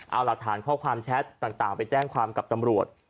เอาหลักฐานข้อความแชทต่างไปแจ้งความกับตำรวจ